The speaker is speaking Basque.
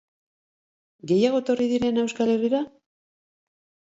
Gehiago etorri diren Euskal Herrira?